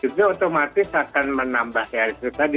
itu otomatis akan menambah daya listrik tadi